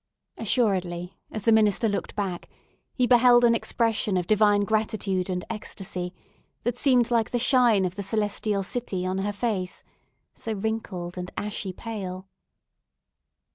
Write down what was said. Assuredly, as the minister looked back, he beheld an expression of divine gratitude and ecstasy that seemed like the shine of the celestial city on her face, so wrinkled and ashy pale.